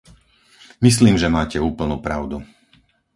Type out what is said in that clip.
Myslím, že máte úplnú pravdu.